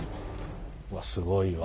すごいわ。